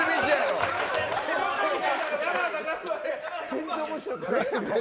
全然面白くない。